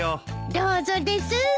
どうぞです。